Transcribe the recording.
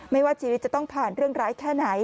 ไม่ว่าชีวิตจะต้องผ่านเรื่องร้ายแค่ไหน